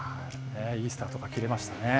いいスタートが切れましたね。